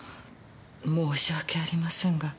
申し訳ありませんが。